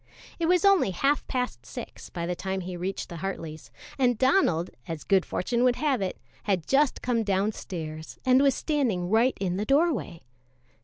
It was only half past six by the time he reached the Hartleys', and Donald, as good fortune would have it, had just come downstairs and was standing right in the doorway.